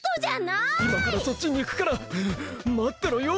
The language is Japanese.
いまからそっちにいくからまってろよ。